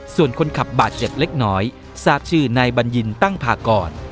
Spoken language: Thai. ส่วนคนขับบาดเจ็บเล็กน้อยทราบชื่อนายบัญญินตั้งพากร